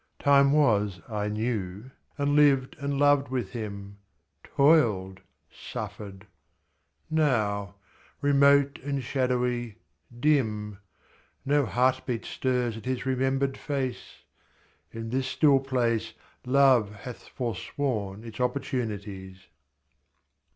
Time was I knew, and lived and loved with him; Toiled, suffered. Now, remote and shadowy, dim, No heartbeat stirs at his remembered face. In this still place Love hath forsworn its opportunities.